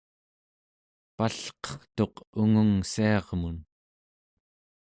palqertuq ungungssiarmun